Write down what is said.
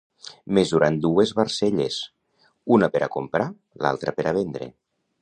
Mesurar en dues barcelles: una per a comprar, l'altra per a vendre.